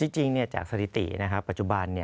จริงเนี่ยจากสถิติปัจจุบัน